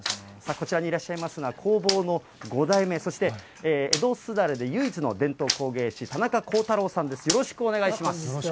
こちらにいらっしゃいますのは、工房の５代目、そして江戸すだれで唯一の伝統工芸士、田中耕太朗さんです、よろしくお願いします。